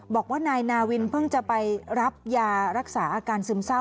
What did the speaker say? บอกว่านายนาวินเพิ่งจะไปรับยารักษาอาการซึมเศร้า